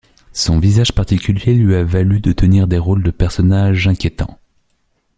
Son visage particulier lui a valu de tenir des rôles de personnages inquiétants.